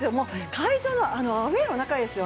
会場、あのアウェーの中ですよ。